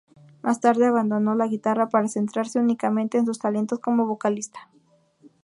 Más tarde abandonó la guitarra para centrarse únicamente en sus talentos como vocalista.